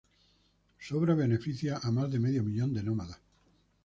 Su obra beneficia a más de medio millón de nómadas.